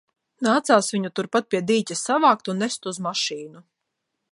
Nācās viņu turpat pie dīķa savākt un nest uz mašīnu.